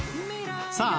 さあ